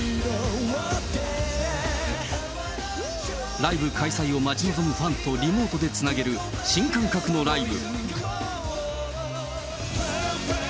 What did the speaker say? ライブ開催を待ち望むファンとリモートでつなげる、新感覚のライブ。